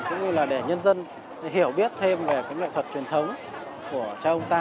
cũng như là để nhân dân hiểu biết thêm về cái nghệ thuật truyền thống của cha ông ta